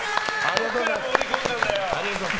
どこから入り込んだんだよ！